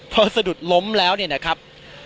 พอสะดุดล้มแล้วเนี่ยนะครับ